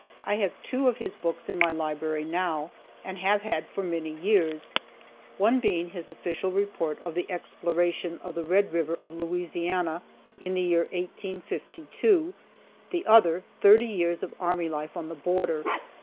I have two of his books in my library now, and have had for many years, one being his official report of the "Exploration of the Red River of Louisiana, in the year 1852;" the other, "Thirty Years of Army Life on the Border."